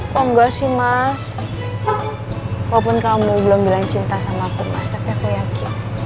oh enggak sih mas walaupun kamu belum bilang cinta sama aku mas tapi aku yakin